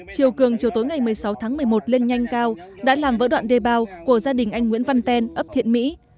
chiều cường chiều tối ngày một mươi sáu tháng một mươi một lên nhanh cao đã làm vỡ đoạn đê bao của gia đình anh nguyễn văn ten ấp thiện mỹ